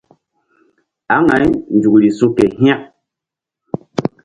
Aŋay nzukri su̧ ke hȩk.